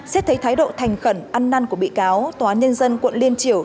xét thấy thái độ thành khẩn ăn năn của bị cáo tòa nhân dân quận liên triều